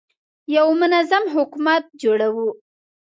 یو منظم حکومت جوړوو.